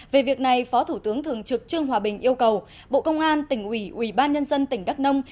về việc này phó thủ tướng thường trực trương hòa bình yêu cầu bộ công an tỉnh ủy ubnd tỉnh đắk nông